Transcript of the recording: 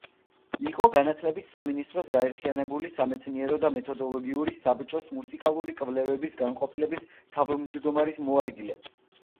იყო განათლების სამინისტროს გაერთიანებული სამეცნიერო და მეთოდოლოგიური საბჭოს მუსიკალური კვლევების განყოფილების თავმჯდომარის მოადგილე.